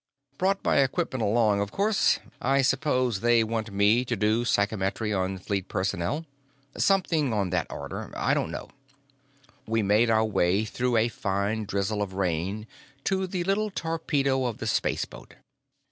Brought my equipment along, of course. I suppose they want me to do psychometry on fleet personnel?" "Something on that order. I don't know." We made our way through a fine drizzle of rain to the little torpedo of the spaceboat.